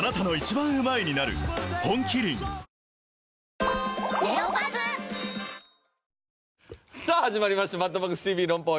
本麒麟さあ始まりました『マッドマックスＴＶ論破王』。